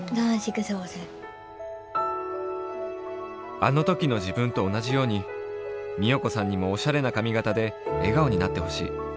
あのときの自分とおなじように美代子さんにもおしゃれな髪型で笑顔になってほしい。